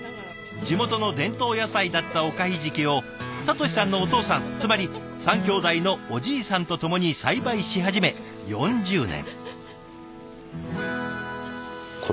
地元の伝統野菜だったおかひじきを敏さんのお父さんつまり３兄弟のおじいさんと共に栽培し始め４０年。